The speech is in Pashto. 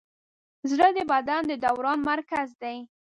زړه د بدن د دوران مرکز دی.